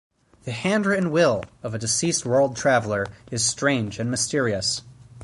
The handwritten will of a deceased world-traveller is strange and mysterious.